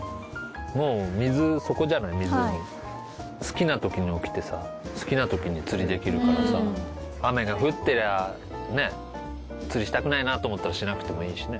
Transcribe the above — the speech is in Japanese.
もう水そこじゃない湖好きなときに起きてさ好きなときに釣りできるからさ雨が降ってりゃね釣りしたくないなと思ったらしなくてもいいしね